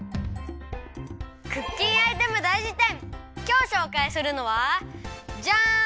きょうしょうかいするのはジャン！